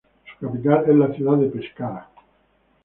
Su capital es la ciudad de Pescara.